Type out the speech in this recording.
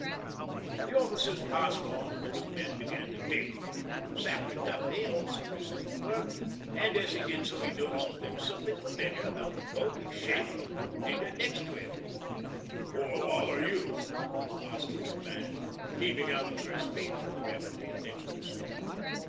The officers passed on and the new men began to dig. Sapper Duffy also resumed work, and as he did so he noticed there was something familiar about the bulky shape of the new digger next to him. 'What lot are you?' asked the new man, heaving out the first spadeful rapidly and dexterously.